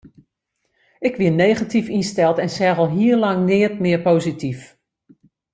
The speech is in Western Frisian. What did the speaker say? Ik wie negatyf ynsteld en seach al hiel lang neat mear posityf.